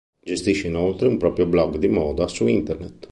Gestisce inoltre un proprio blog di moda su Internet.